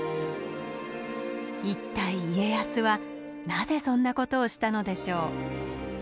一体家康はなぜそんなことをしたのでしょう？